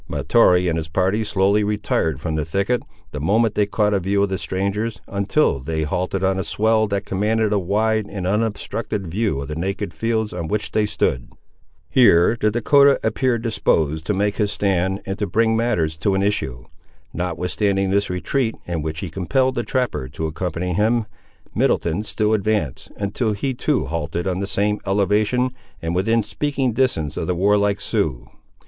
Mahtoree and his party slowly retired from the thicket, the moment they caught a view of the strangers, until they halted on a swell that commanded a wide and unobstructed view of the naked fields on which they stood. Here the Dahcotah appeared disposed to make his stand, and to bring matters to an issue. Notwithstanding this retreat, in which he compelled the trapper to accompany him, Middleton still advanced, until he too halted on the same elevation, and within speaking distance of the warlike Siouxes.